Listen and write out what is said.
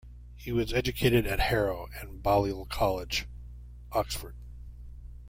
He was educated at Harrow and Balliol College, Oxford.